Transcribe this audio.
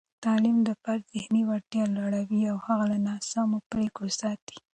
تعلیم د فرد ذهني وړتیا لوړوي او هغه له ناسمو پرېکړو ساتي.